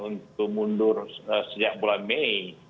untuk mundur sejak bulan mei